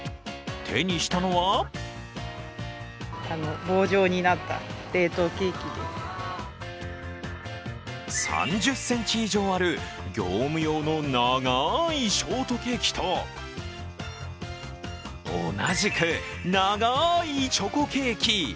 手にしたのは３０ｃｍ以上ある業務用の長いショートケーキと同じく長いチョコケーキ。